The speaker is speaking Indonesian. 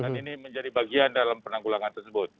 dan ini menjadi bagian dalam penanggulangan tersebut